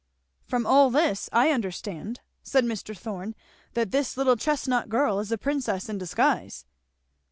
"From all which I understand," said Mr. Thorn, "that this little chestnut girl is a princess in disguise."